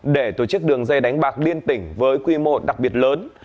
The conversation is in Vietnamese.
để tổ chức đường dây đánh bạc liên tỉnh với quy mô đặc biệt lớn